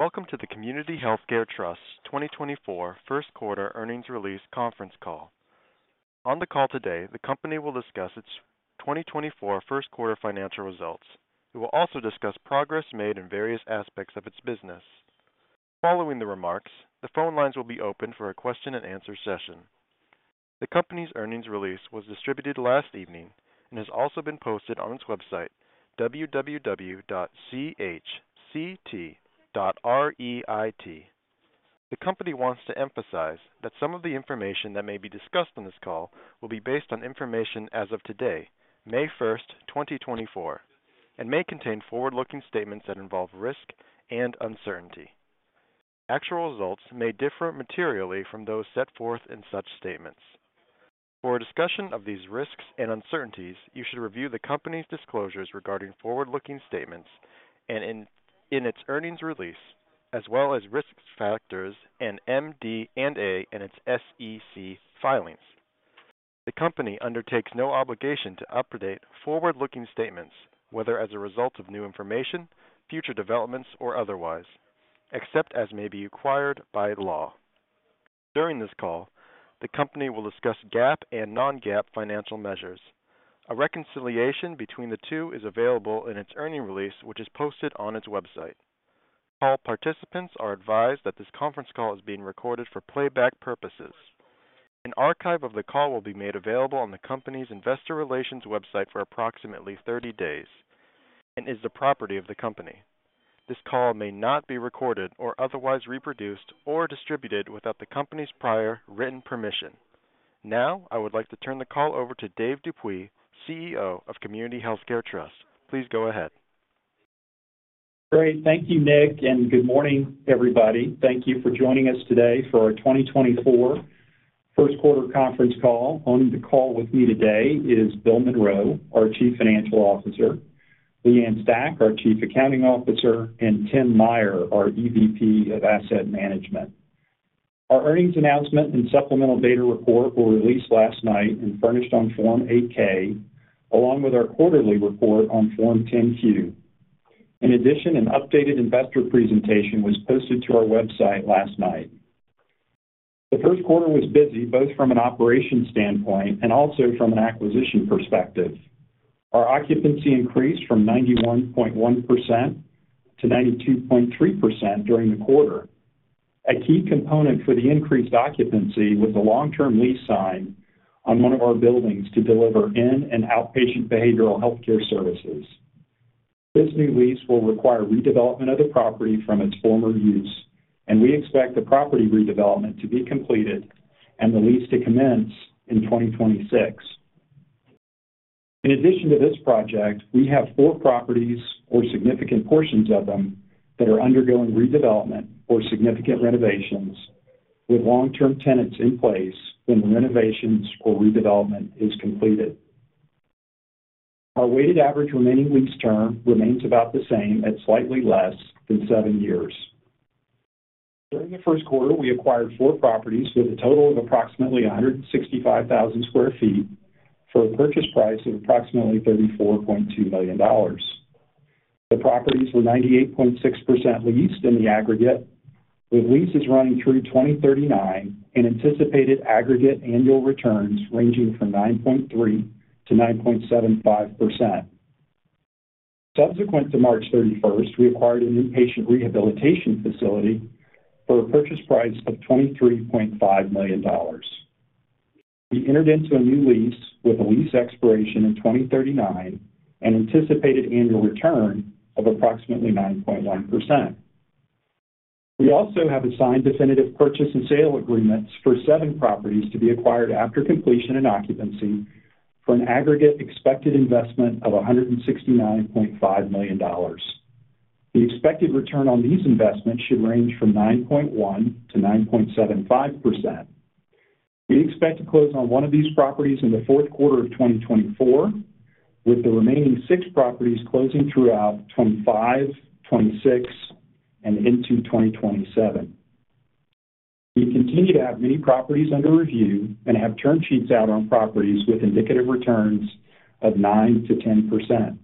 Welcome to the Community Healthcare Trust's 2024 First Quarter Earnings Release Conference Call. On the call today, the company will discuss its 2024 first quarter financial results. We will also discuss progress made in various aspects of its business. Following the remarks, the phone lines will be open for a question-and-answer session. The company's earnings release was distributed last evening and has also been posted on its website, www.chct.reit. The company wants to emphasize that some of the information that may be discussed on this call will be based on information as of today, May 1st, 2024, and may contain forward-looking statements that involve risk and uncertainty. Actual results may differ materially from those set forth in such statements. For a discussion of these risks and uncertainties, you should review the company's disclosures regarding forward-looking statements and in its earnings release, as well as risk factors and MD&A in its SEC filings. The company undertakes no obligation to update forward-looking statements, whether as a result of new information, future developments, or otherwise, except as may be required by law. During this call, the company will discuss GAAP and non-GAAP financial measures. A reconciliation between the two is available in its earnings release, which is posted on its website. All participants are advised that this conference call is being recorded for playback purposes. An archive of the call will be made available on the company's investor relations website for approximately 30 days and is the property of the company. This call may not be recorded or otherwise reproduced or distributed without the company's prior written permission. Now, I would like to turn the call over to Dave Dupuy, CEO of Community Healthcare Trust. Please go ahead. Great. Thank you, Nick, and good morning, everybody. Thank you for joining us today for our 2024 First Quarter Conference Call. On the call with me today is Bill Monroe, our Chief Financial Officer, Leigh Ann Stach, our Chief Accounting Officer, and Tim Meyer, our EVP of Asset Management. Our earnings announcement and supplemental data report were released last night and furnished on Form 8-K, along with our quarterly report on Form 10-Q. In addition, an updated investor presentation was posted to our website last night. The first quarter was busy, both from an operations standpoint and also from an acquisition perspective. Our occupancy increased from 91.1% to 92.3% during the quarter. A key component for the increased occupancy was the long-term lease signed on one of our buildings to deliver inpatient and outpatient behavioral healthcare services. This new lease will require redevelopment of the property from its former use, and we expect the property redevelopment to be completed and the lease to commence in 2026. In addition to this project, we have four properties or significant portions of them, that are undergoing redevelopment or significant renovations, with long-term tenants in place when the renovations or redevelopment is completed. Our weighted average remaining lease term remains about the same at slightly less than seven years. During the first quarter, we acquired four properties with a total of approximately 165,000 sq ft for a purchase price of approximately $34.2 million. The properties were 98.6% leased in the aggregate, with leases running through 2039 and anticipated aggregate annual returns ranging from 9.3%-9.75%. Subsequent to March 31st, we acquired a new patient rehabilitation facility for a purchase price of $23.5 million. We entered into a new lease with a lease expiration in 2039 and anticipated annual return of approximately 9.1%. We also have assigned definitive purchase and sale agreements for seven properties to be acquired after completion and occupancy for an aggregate expected investment of $169.5 million. The expected return on these investments should range from 9.1% to 9.75%. We expect to close on one of these properties in the fourth quarter of 2024, with the remaining six properties closing throughout 2025, 2026, and into 2027. We continue to have many properties under review and have term sheets out on properties with indicative returns of 9%-10%.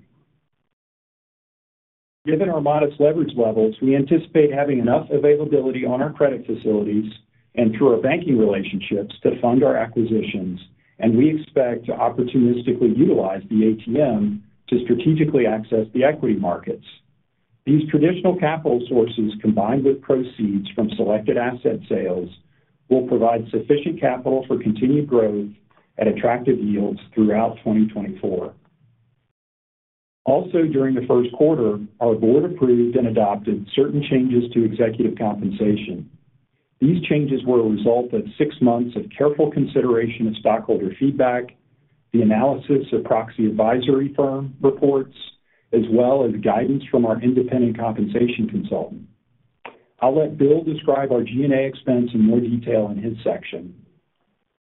Given our modest leverage levels, we anticipate having enough availability on our credit facilities and through our banking relationships to fund our acquisitions, and we expect to opportunistically utilize the ATM to strategically access the equity markets. These traditional capital sources, combined with proceeds from selected asset sales, will provide sufficient capital for continued growth at attractive yields throughout 2024. Also, during the first quarter, our board approved and adopted certain changes to executive compensation. These changes were a result of six months of careful consideration of stockholder feedback, the analysis of proxy advisory firm reports, as well as guidance from our independent compensation consultant. I'll let Bill describe our G&A expense in more detail in his section.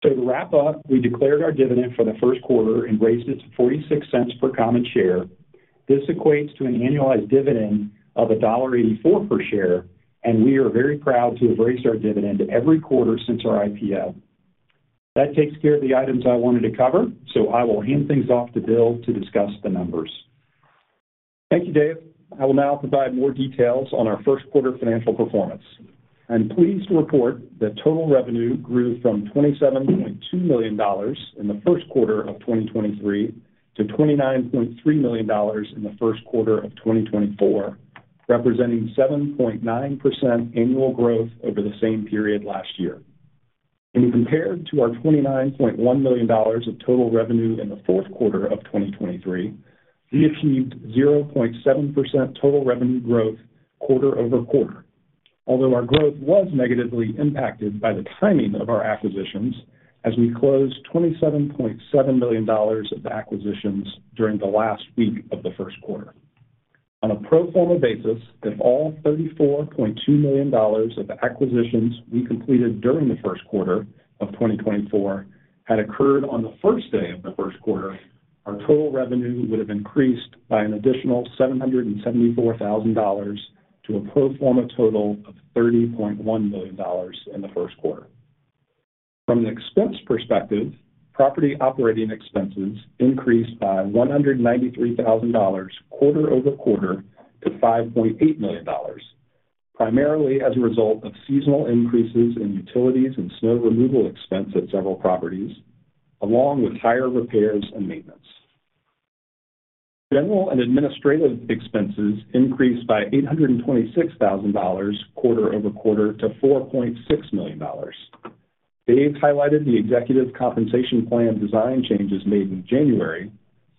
So to wrap up, we declared our dividend for the first quarter and raised it to $0.46 per common share. This equates to an annualized dividend of $1.84 per share, and we are very proud to have raised our dividend every quarter since our IPO. That takes care of the items I wanted to cover, so I will hand things off to Bill to discuss the numbers. Thank you, Dave. I will now provide more details on our first quarter financial performance. I'm pleased to report that total revenue grew from $27.2 million in the first quarter of 2023 to $29.3 million in the first quarter of 2024, representing 7.9% annual growth over the same period last year. When we compared to our $29.1 million of total revenue in the fourth quarter of 2023, we achieved 0.7% total revenue growth quarter-over-quarter. Although our growth was negatively impacted by the timing of our acquisitions, as we closed $27.7 million of acquisitions during the last week of the first quarter. On a pro forma basis, if all $34.2 million of the acquisitions we completed during the first quarter of 2024 had occurred on the first day of the first quarter, our total revenue would have increased by an additional $774,000 to a pro forma total of $30.1 million in the first quarter. From an expense perspective, property operating expenses increased by $193,000 quarter-over-quarter to $5.8 million, primarily as a result of seasonal increases in utilities and snow removal expense at several properties, along with higher repairs and maintenance. General and administrative expenses increased by $826,000 quarter-over-quarter to $4.6 million. Dave highlighted the executive compensation plan design changes made in January,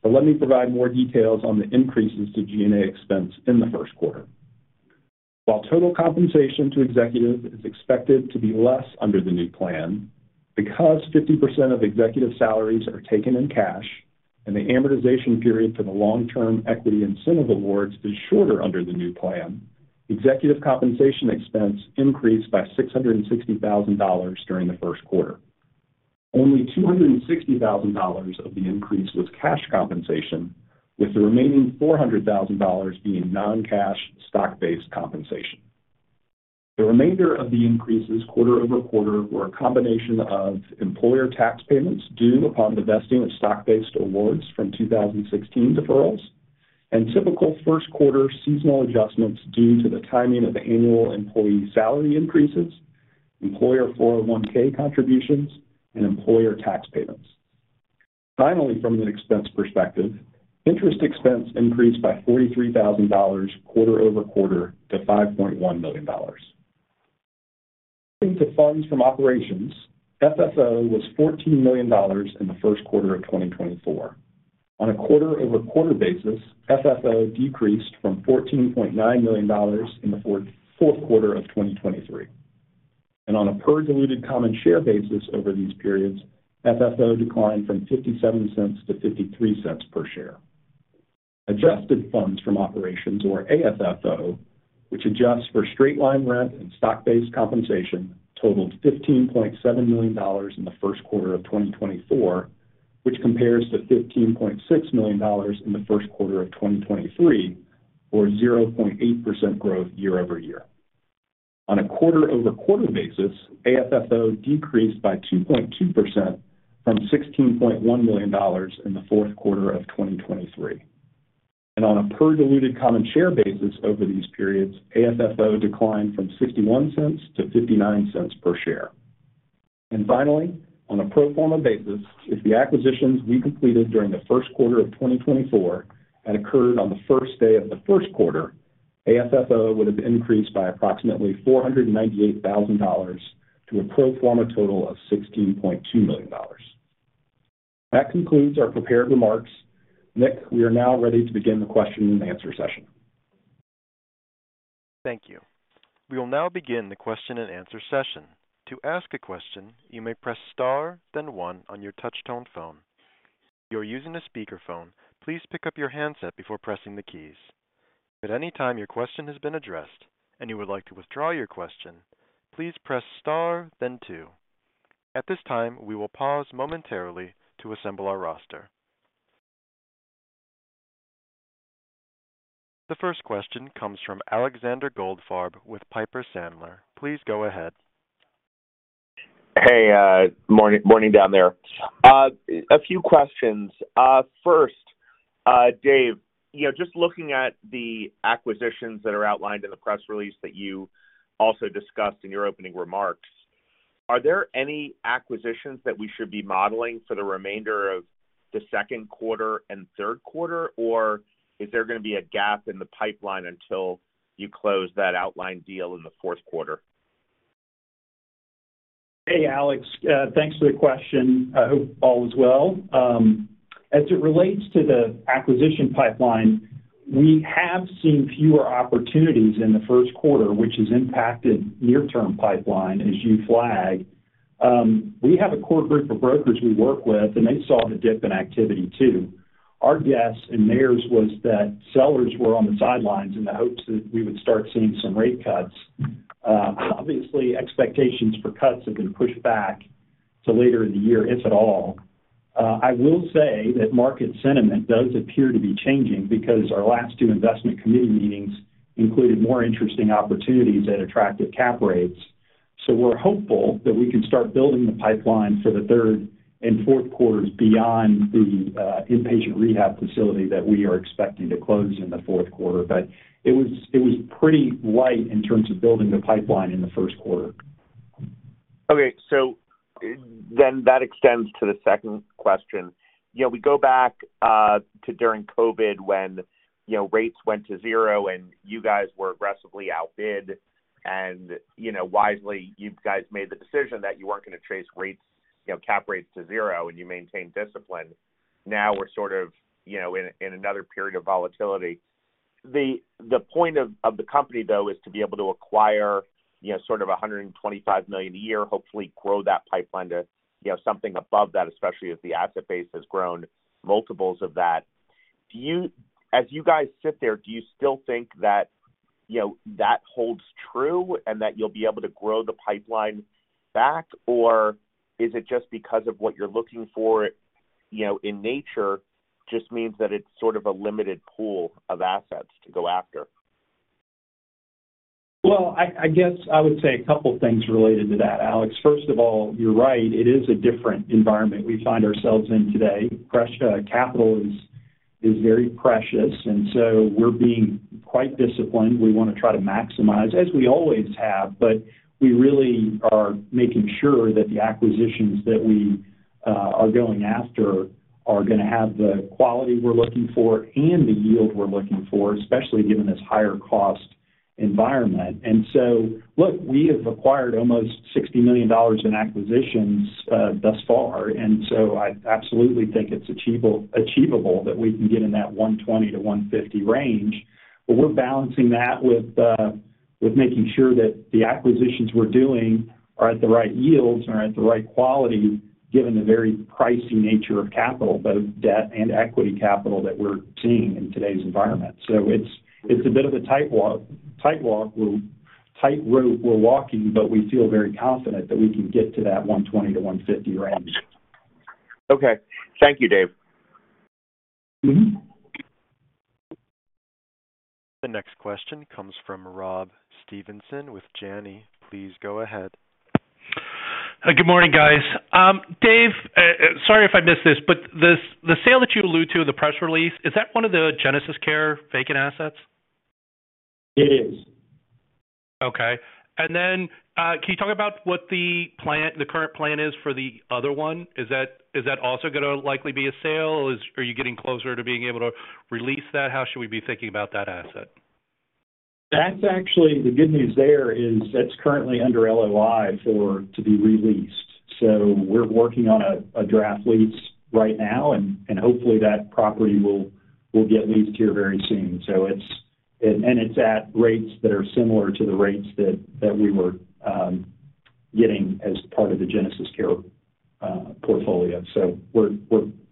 but let me provide more details on the increases to G&A expense in the first quarter. While total compensation to executives is expected to be less under the new plan, because 50% of executive salaries are taken in cash and the amortization period for the long-term equity incentive awards is shorter under the new plan, executive compensation expense increased by $660,000 during the first quarter. Only $260,000 of the increase was cash compensation, with the remaining $400,000 being non-cash, stock-based compensation. The remainder of the increases quarter-over-quarter were a combination of employer tax payments due upon the vesting of stock-based awards from 2016 deferrals, and typical first quarter seasonal adjustments due to the timing of annual employee salary increases, employer 401(k) contributions, and employer tax payments. Finally, from an expense perspective, interest expense increased by $43,000 quarter-over-quarter to $5.1 million. Turning to funds from operations, FFO was $14 million in the first quarter of 2024. On a quarter-over-quarter basis, FFO decreased from $14.9 million in the fourth quarter of 2023, and on a per diluted common share basis over these periods, FFO declined from $0.57 to $0.53 per share. Adjusted Funds From Operations, or AFFO, which adjusts for straight-line rent and stock-based compensation, totaled $15.7 million in the first quarter of 2024, which compares to $15.6 million in the first quarter of 2023, or 0.8% growth year-over-year. On a quarter-over-quarter basis, AFFO decreased by 2.2% from $16.1 million in the fourth quarter of 2023. On a per diluted common share basis over these periods, AFFO declined from $0.61 to $0.59 per share. Finally, on a pro forma basis, if the acquisitions we completed during the first quarter of 2024 had occurred on the first day of the first quarter, AFFO would have increased by approximately $498,000 to a pro forma total of $16.2 million. That concludes our prepared remarks. Nick, we are now ready to begin the question and answer session. Thank you. We will now begin the question and answer session. To ask a question, you may press star, then one on your touch tone phone. If you are using a speakerphone, please pick up your handset before pressing the keys. At any time your question has been addressed, and you would like to withdraw your question, please press star, then two. At this time, we will pause momentarily to assemble our roster. The first question comes from Alexander Goldfarb with Piper Sandler. Please go ahead. Hey, morning, morning down there. A few questions. First, Dave, you know, just looking at the acquisitions that are outlined in the press release that you also discussed in your opening remarks, are there any acquisitions that we should be modeling for the remainder of the second quarter and third quarter? Or is there going to be a gap in the pipeline until you close that outlined deal in the fourth quarter? Hey, Alex, thanks for the question. I hope all is well. As it relates to the acquisition pipeline, we have seen fewer opportunities in the first quarter, which has impacted near-term pipeline, as you flagged. We have a core group of brokers we work with, and they saw the dip in activity too. Our guess and theirs was that sellers were on the sidelines in the hopes that we would start seeing some rate cuts. Obviously, expectations for cuts have been pushed back to later in the year, if at all. I will say that market sentiment does appear to be changing because our last two investment committee meetings included more interesting opportunities at attractive cap rates. So we're hopeful that we can start building the pipeline for the third and fourth quarters beyond the inpatient rehab facility that we are expecting to close in the fourth quarter. But it was, it was pretty light in terms of building the pipeline in the first quarter. Okay, so then that extends to the second question. You know, we go back to during COVID when, you know, rates went to zero, and you guys were aggressively outbid, and, you know, wisely, you guys made the decision that you weren't going to chase rates, you know, cap rates to zero, and you maintained discipline. Now we're sort of, you know, in, in another period of volatility. The point of the company, though, is to be able to acquire, you know, sort of $125 million a year, hopefully grow that pipeline to, you know, something above that, especially as the asset base has grown multiples of that. Do you as you guys sit there, do you still think that, you know, that holds true and that you'll be able to grow the pipeline back? Or is it just because of what you're looking for, you know, in nature, just means that it's sort of a limited pool of assets to go after? Well, I guess I would say a couple things related to that, Alex. First of all, you're right, it is a different environment we find ourselves in today. Fresh capital is very precious, and so we're being quite disciplined. We want to try to maximize, as we always have, but we really are making sure that the acquisitions that we are going after are going to have the quality we're looking for and the yield we're looking for, especially given this higher cost environment. So, look, we have acquired almost $60 million in acquisitions thus far, and so I absolutely think it's achievable that we can get in that $120-$150 range. But we're balancing that with making sure that the acquisitions we're doing are at the right yields and are at the right quality, given the very pricey nature of capital, both debt and equity capital, that we're seeing in today's environment. So it's a bit of a tight rope we're walking, but we feel very confident that we can get to that 120-150 range. Okay. Thank you, Dave. Mm-hmm. The next question comes from Rob Stevenson with Janney. Please go ahead. Hi, good morning, guys. Dave, sorry if I missed this, but the sale that you allude to in the press release, is that one of the GenesisCare vacant assets? It is. Okay. And then, can you talk about what the plan, the current plan is for the other one? Is that, is that also gonna likely be a sale, or is, are you getting closer to being able to release that? How should we be thinking about that asset? That's actually the good news there is that's currently under LOI for to be re-leased. So we're working on a draft lease right now, and hopefully that property will get leased here very soon. So it's and it's at rates that are similar to the rates that we were getting as part of the GenesisCare portfolio. So we're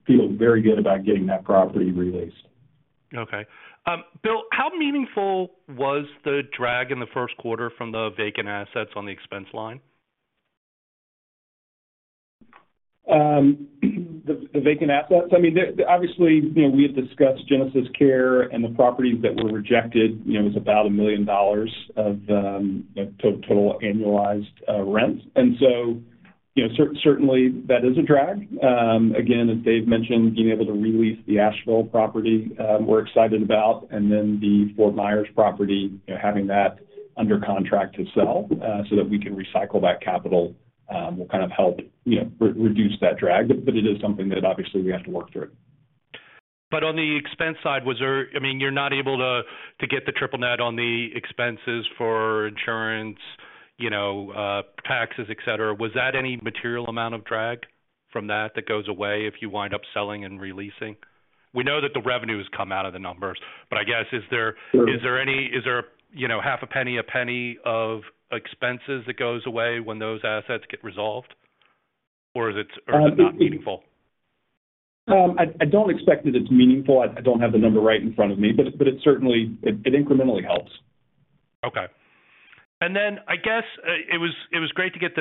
feeling very good about getting that property re-leased. Okay. Bill, how meaningful was the drag in the first quarter from the vacant assets on the expense line? The vacant assets? I mean, obviously, you know, we have discussed GenesisCare and the properties that were rejected, you know, is about $1 million of total annualized rent. And so, you know, certainly, that is a drag. Again, as Dave mentioned, being able to re-lease the Asheville property, we're excited about, and then the Fort Myers property, you know, having that under contract to sell, so that we can recycle that capital, will kind of help, you know, reduce that drag, but it is something that obviously we have to work through. But on the expense side, was there... I mean, you're not able to, to get the triple net on the expenses for insurance, you know, taxes, et cetera. Was that any material amount of drag from that, that goes away if you wind up selling and re-leasing? We know that the revenues come out of the numbers, but I guess, is there- Sure. Is there, you know, $0.005, $0.01 of expenses that goes away when those assets get resolved, or is it? Uh, we- or is it not meaningful? I don't expect that it's meaningful. I don't have the number right in front of me, but it certainly incrementally helps. Okay. And then I guess it was great to get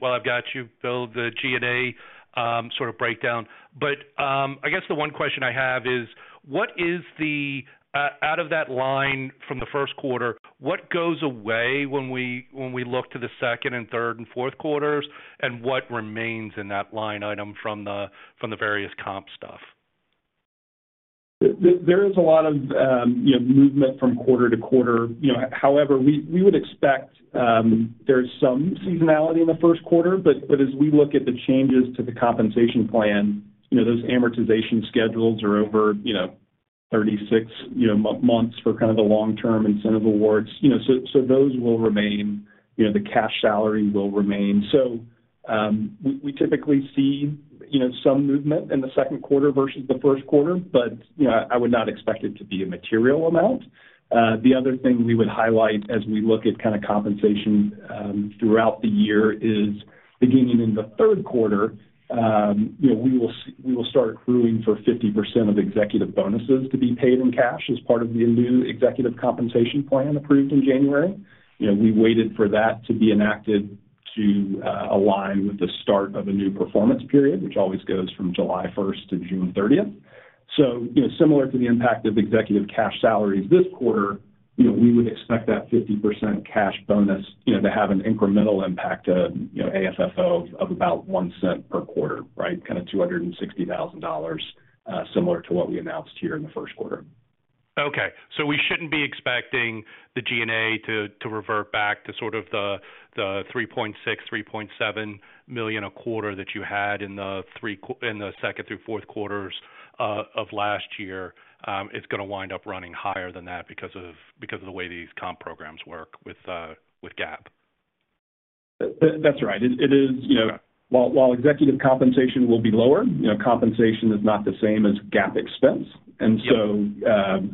while I've got you, Bill, the G&A sort of breakdown. But I guess the one question I have is: what is the out of that line from the first quarter, what goes away when we look to the second and third and fourth quarters, and what remains in that line item from the various comp stuff? There is a lot of, you know, movement from quarter to quarter. You know, however, we would expect, there's some seasonality in the first quarter, but as we look at the changes to the compensation plan, you know, those amortization schedules are over, you know, 36, you know, months for kind of the long-term incentive awards. You know, so those will remain. You know, the cash salary will remain. So, we typically see, you know, some movement in the second quarter versus the first quarter, but, you know, I would not expect it to be a material amount. The other thing we would highlight as we look at kind of compensation throughout the year is, beginning in the third quarter, you know, we will start accruing for 50% of executive bonuses to be paid in cash as part of the new executive compensation plan approved in January. You know, we waited for that to be enacted to align with the start of a new performance period, which always goes from July 1st to June 30th. So, you know, similar to the impact of executive cash salaries this quarter, you know, we would expect that 50% cash bonus, you know, to have an incremental impact to, you know, AFFO of about $0.01 per quarter, right? Kind of $260,000, similar to what we announced here in the first quarter. Okay. So we shouldn't be expecting the G&A to revert back to sort of the $3.6 million-$3.7 million a quarter that you had in the second through fourth quarters of last year. It's gonna wind up running higher than that because of the way these comp programs work with GAAP. That's right. It is, you know- Okay. While executive compensation will be lower, you know, compensation is not the same as GAAP expense. Yeah. And so,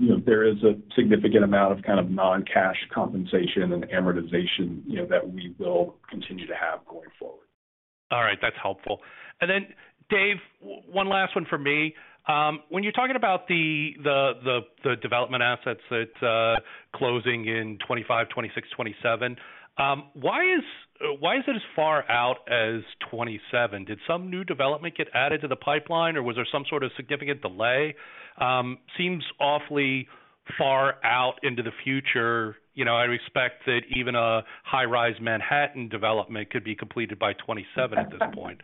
you know, there is a significant amount of kind of non-cash compensation and amortization, you know, that we will continue to have going forward. All right. That's helpful. And then, Dave, one last one for me. When you're talking about the development assets that closing in 2025, 2026, 2027, why is it as far out as 2027? Did some new development get added to the pipeline, or was there some sort of significant delay? Seems awfully far out into the future. You know, I respect that even a high-rise Manhattan development could be completed by 2027 at this point.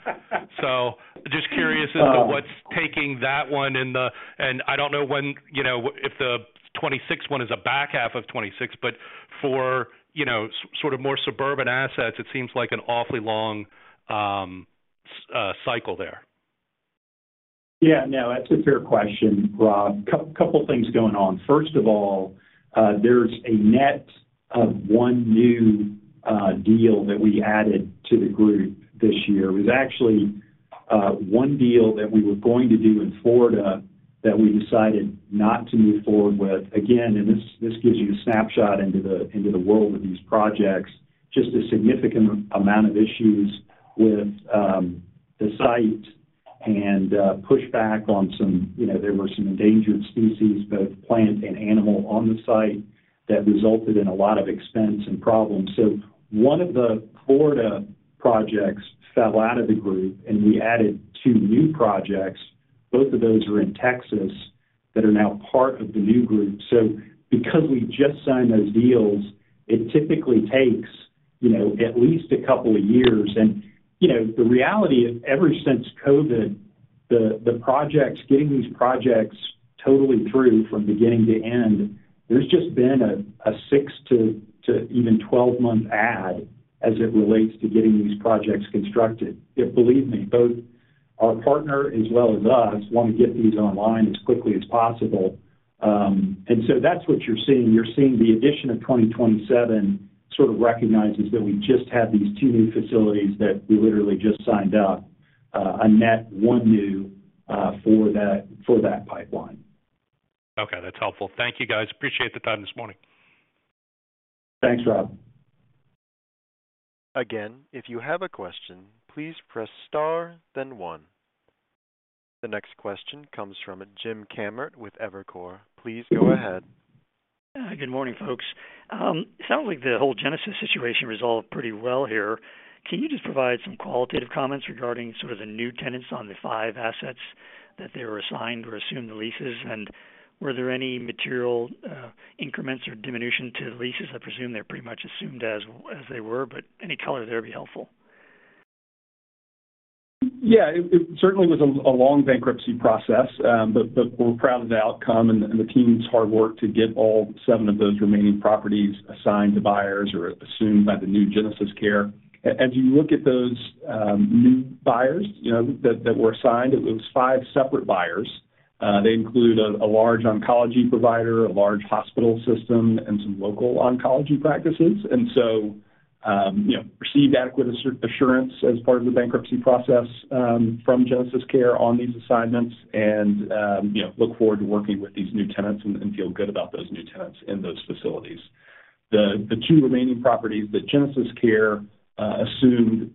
So just curious as to what's taking that one in the... And I don't know when, you know, if the 2026 one is a back half of 2026, but for, you know, sort of more suburban assets, it seems like an awfully long cycle there. Yeah. No, that's a fair question, Rob. Couple things going on. First of all, there's a net of one new deal that we added to the group this year. It was actually one deal that we were going to do in Florida that we decided not to move forward with. Again, and this gives you a snapshot into the world of these projects, just a significant amount of issues with the site and pushback on some—you know, there were some endangered species, both plant and animal, on the site that resulted in a lot of expense and problems. So one of the Florida projects fell out of the group, and we added two new projects. Both of those are in Texas that are now part of the new group. So because we just signed those deals, it typically takes, you know, at least a couple of years. And, you know, the reality is, ever since COVID, the projects, getting these projects totally through from beginning to end, there's just been a six to even 12-month add as it relates to getting these projects constructed. Believe me, both our partner as well as us want to get these online as quickly as possible. And so that's what you're seeing. You're seeing the addition of 2027, sort of recognizes that we just had these two new facilities that we literally just signed up, a net one new, for that pipeline. Okay, that's helpful. Thank you, guys. Appreciate the time this morning. Thanks, Rob. Again, if you have a question, please press star, then one. The next question comes from Jim Kammert with Evercore. Please go ahead. Good morning, folks. Sounds like the whole Genesis situation resolved pretty well here. Can you just provide some qualitative comments regarding sort of the new tenants on the five assets that they were assigned or assumed the leases? And were there any material, increments or diminution to the leases? I presume they're pretty much assumed as, as they were, but any color there would be helpful. Yeah, it certainly was a long bankruptcy process, but we're proud of the outcome and the team's hard work to get all seven of those remaining properties assigned to buyers or assumed by the new GenesisCare. As you look at those new buyers, you know, that were assigned, it was five separate buyers. They include a large oncology provider, a large hospital system, and some local oncology practices. And so, you know, received adequate assurance as part of the bankruptcy process from GenesisCare on these assignments, and you know, look forward to working with these new tenants and feel good about those new tenants in those facilities. The two remaining properties that GenesisCare assumed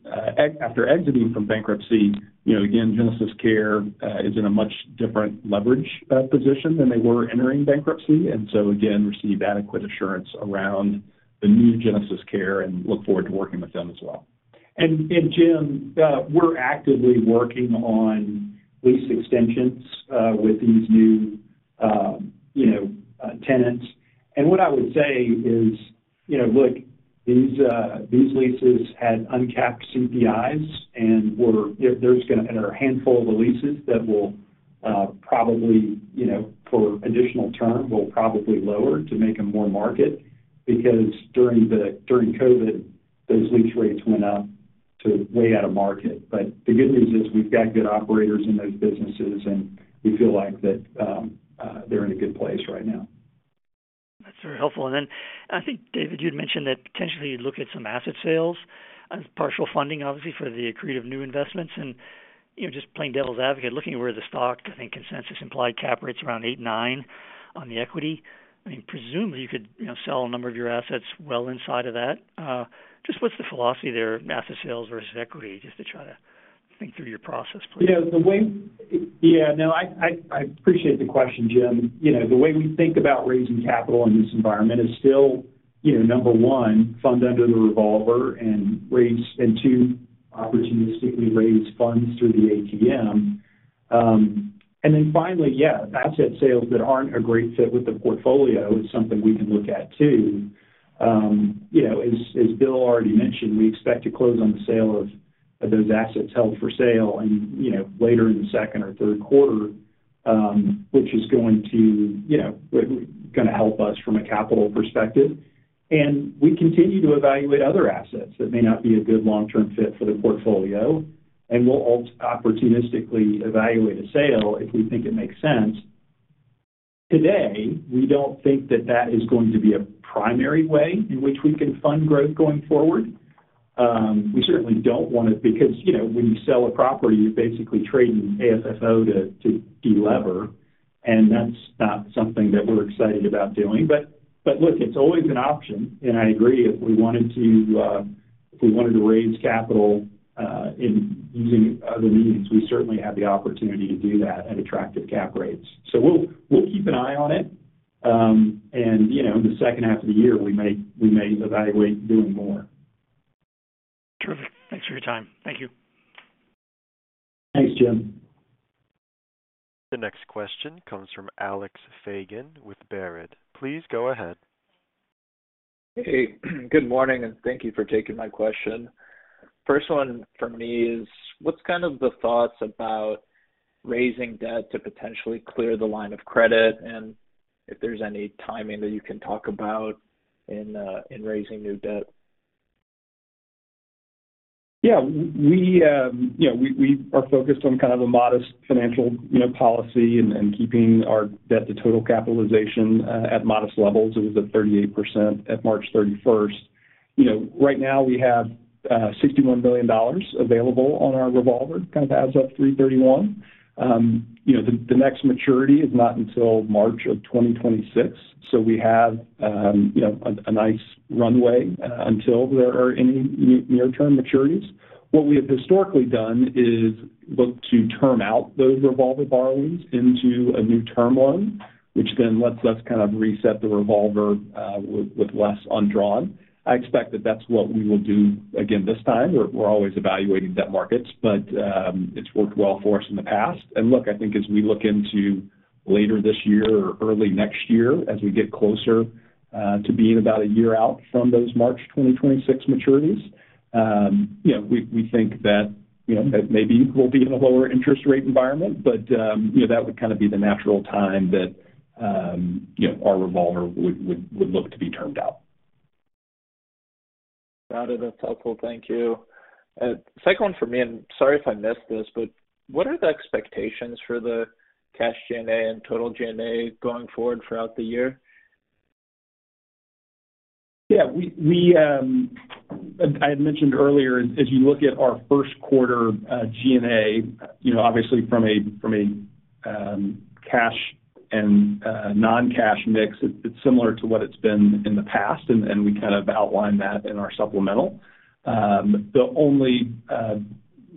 after exiting from bankruptcy, you know, again, GenesisCare is in a much different leverage position than they were entering bankruptcy. And so again, received adequate assurance around the new GenesisCare and look forward to working with them as well. And, Jim, we're actively working on lease extensions with these new, you know, tenants. And what I would say is, you know, look, these leases had uncapped CPIs and were there. There's gonna... And there are a handful of the leases that will, probably, you know, for additional term, will probably lower to make them more market, because during COVID, those lease rates went up to way out of market. But the good news is we've got good operators in those businesses, and we feel like that, they're in a good place right now. That's very helpful. And then I think, David, you'd mentioned that potentially you'd look at some asset sales and partial funding, obviously, for the accretive new investments. And, you know, just playing devil's advocate, looking at where the stock, I think, consensus implied cap rates around eight-nine on the equity, I mean, presumably you could, you know, sell a number of your assets well inside of that. Just what's the philosophy there, asset sales versus equity? Just to try to think through your process, please. You know, the way... Yeah, no, I appreciate the question, Jim. You know, the way we think about raising capital in this environment is still, you know, number one, fund under the revolver and raise, and two,... opportunistically raise funds through the ATM. And then finally, yeah, asset sales that aren't a great fit with the portfolio is something we can look at too. You know, as Bill already mentioned, we expect to close on the sale of those assets held for sale and, you know, later in the second or third quarter, which is going to, you know, gonna help us from a capital perspective. And we continue to evaluate other assets that may not be a good long-term fit for the portfolio, and we'll opportunistically evaluate a sale if we think it makes sense. Today, we don't think that that is going to be a primary way in which we can fund growth going forward. We certainly don't want it, because, you know, when you sell a property, you're basically trading AFFO to delever, and that's not something that we're excited about doing. But look, it's always an option, and I agree, if we wanted to, if we wanted to raise capital, in using other means, we certainly have the opportunity to do that at attractive cap rates. So we'll keep an eye on it. And, you know, in the second half of the year, we may evaluate doing more. Terrific. Thanks for your time. Thank you. Thanks, Jim. The next question comes from Alex Fagan with Baird. Please go ahead. Hey, good morning, and thank you for taking my question. First one for me is, what's kind of the thoughts about raising debt to potentially clear the line of credit, and if there's any timing that you can talk about in raising new debt? Yeah, we, you know, we are focused on kind of a modest financial, you know, policy and keeping our debt to total capitalization at modest levels. It was at 38% at March 31st. You know, right now, we have $61 billion available on our revolver, kind of as of 3/31. You know, the next maturity is not until March of 2026, so we have, you know, a nice runway until there are any near-term maturities. What we have historically done is look to term out those revolver borrowings into a new term loan, which then lets us kind of reset the revolver with less undrawn. I expect that that's what we will do again this time. We're always evaluating debt markets, but it's worked well for us in the past. And look, I think as we look into later this year or early next year, as we get closer to being about a year out from those March 2026 maturities, you know, we think that, you know, that maybe we'll be in a lower interest rate environment. But, you know, that would kind of be the natural time that, you know, our revolver would look to be termed out. Got it. That's helpful. Thank you. Second one for me, and sorry if I missed this, but what are the expectations for the cash G&A and total G&A going forward throughout the year? Yeah, we... I had mentioned earlier, as you look at our first quarter G&A, you know, obviously from a cash and non-cash mix, it's similar to what it's been in the past, and we kind of outlined that in our supplemental. The only,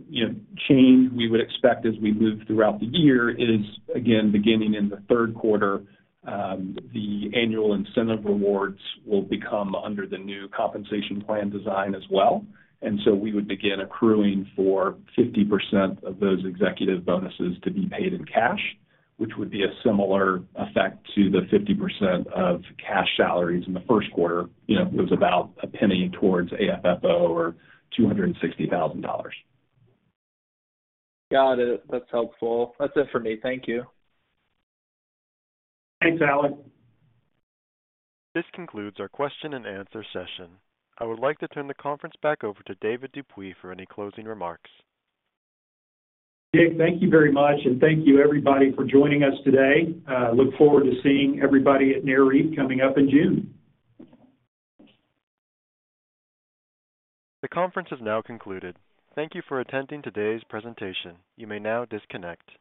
you know, change we would expect as we move throughout the year is, again, beginning in the third quarter, the annual incentive rewards will become under the new compensation plan design as well. And so we would begin accruing for 50% of those executive bonuses to be paid in cash, which would be a similar effect to the 50% of cash salaries in the first quarter. You know, it was about $0.01 towards AFFO or $260,000. Got it. That's helpful. That's it for me. Thank you. Thanks, Alex. This concludes our question and answer session. I would like to turn the conference back over to David Dupuy for any closing remarks. Dave, thank you very much, and thank you, everybody, for joining us today. Look forward to seeing everybody at NAREIT coming up in June. The conference is now concluded. Thank you for attending today's presentation. You may now disconnect.